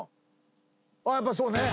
あっやっぱそうね。